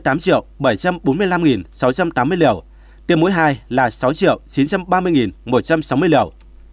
tổng số liều vaccine covid một mươi chín đã được tiêm là hai mươi tám bảy trăm bốn mươi năm sáu trăm tám mươi liều tiêm mũi hai là sáu chín trăm ba mươi một trăm sáu mươi liều